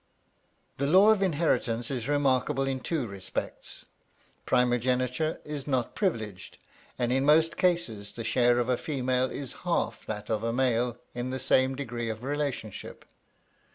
The law of inheritance is remarkable in two respects; primogeniture is not privileged, and in most cases the share of a female is half that of a male in the same degree of relationship.